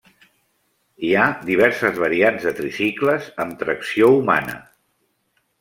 Hi ha diverses variants de tricicles amb tracció humana.